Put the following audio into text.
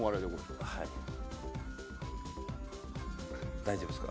大丈夫ですか？